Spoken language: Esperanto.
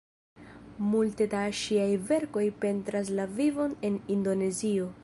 Multe da ŝiaj verkoj pentras la vivon en Indonezio.